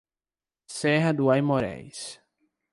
Serra dos Aimorés